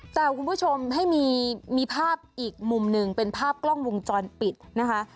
แต่คุณผู้ชมให้มีภาพอีกมุมหนึ่งเป็นภาพกล้องวงจรปิดนะคะ